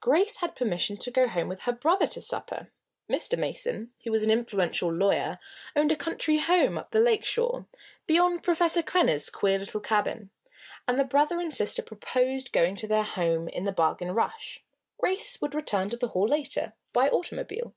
Grace had permission to go home with her brother to supper. Mr. Mason, who was an influential lawyer, owned a country home up the lake shore, beyond Professor Krenner's queer little cabin, and the brother and sister proposed going to their home in the Bargain Rush. Grace would return to the Hall later, by automobile.